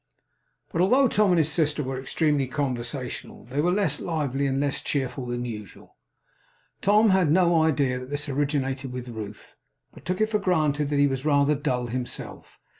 But although Tom and his sister were extremely conversational, they were less lively, and less cheerful, than usual. Tom had no idea that this originated with Ruth, but took it for granted that he was rather dull himself.